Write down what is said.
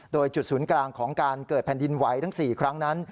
โดยจุดศูนย์กลางของการเกิดแผ่นดินไหวทั้ง๔ครั้งนั้น